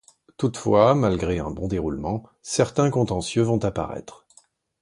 Toutefois, malgré un bon déroulement, certains contentieux vont apparaître.